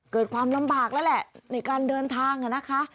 เกิดความลำบากแล้วแหละในการเดินทางนะคะ